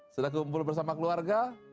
sudah kumpul bersama keluarga